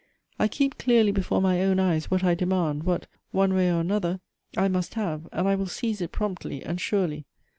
I keep clearly before my own eyes what I demand, what, one way or another, I must have ; and I will seize it promptly and surely.